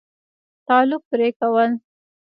تعلق پرې كول